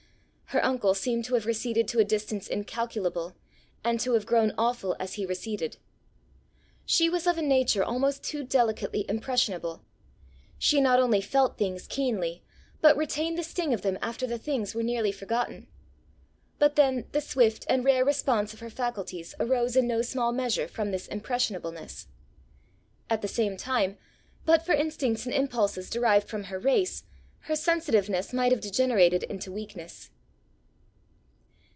Her uncle seemed to have receded to a distance incalculable, and to have grown awful as he receded. She was of a nature almost too delicately impressionable; she not only felt things keenly, but retained the sting of them after the things were nearly forgotten. But then the swift and rare response of her faculties arose in no small measure from this impressionableness. At the same time, but for instincts and impulses derived from her race, her sensitiveness might have degenerated into weakness.